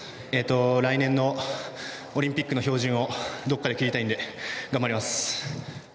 来年のオリンピックの標準をどっかで切りたいんで頑張ります